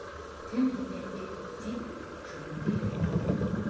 Кем һине эт ти, шуның теле ҡороһон!